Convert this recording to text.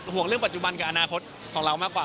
ห่วงเรื่องปัจจุบันกับอนาคตของเรามากกว่า